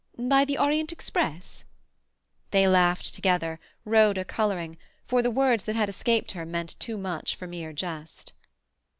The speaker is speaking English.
"By the Orient Express?" They laughed together, Rhoda colouring, for the words that had escaped her meant too much for mere jest.